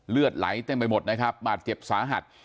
เลือดไหลเต็มไปหมดนะครับบาดเจ็บสาหัส